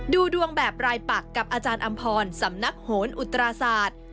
ดูดวงแบบรายปักกับอาจารย์อำพรสำนักโหนอุตราศาสตร์